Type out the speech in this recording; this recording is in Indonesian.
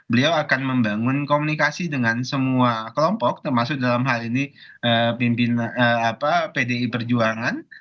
beliau akan membangun komunikasi dengan semua kelompok termasuk dalam hal ini pimpinan pdi perjuangan